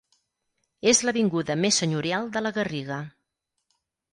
És l'avinguda més senyorial de la Garriga.